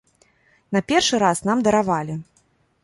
На першы раз нам даравалі.